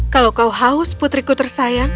kalau kau haus putriku tersayang